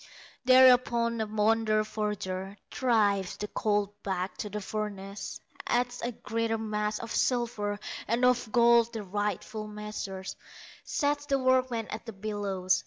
Thereupon the wonder forger Drives the colt back to the furnace, Adds a greater mass of silver, And of gold the rightful measure, Sets the workmen at the bellows.